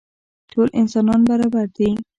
ټول انسانان برابر دي.